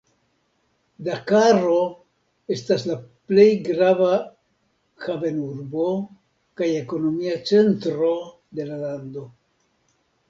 Dakaro etas la plej grava havenurbo kaj ekonomia centro de la lando.